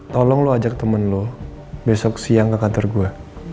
tolong lo ajak temen lo besok siang ke kantor gue